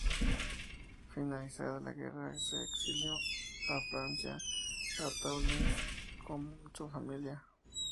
Finalizada la guerra se exilió a Francia, a Toulouse con su familia.